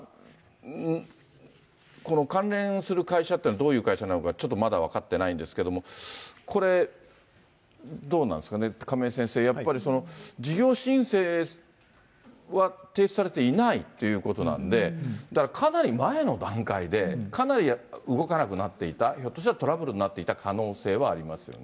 この関連する会社というのはどういう会社なのか、ちょっとまだ分かってないんですけれども、これ、どうなんですかね、亀井先生、やっぱり事業申請は提出されていないっていうことなんで、だからかなり前の段階で、かなり動かなくなっていた、ひょっとしたらトラブルになっていた可能性はありますよね。